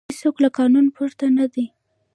هیڅوک له قانون پورته نه دی